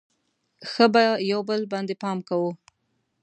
ښه به یو بل باندې پام کوو.